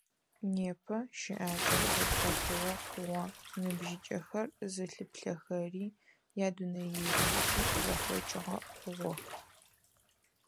Непэ щыӀакӀэр зэблэхъугъэ хъугъэ, ныбжьыкӀэхэр зылъыплъэхэри, ядунэееплъыкӀи зэхъокӀыгъэ хъугъэх.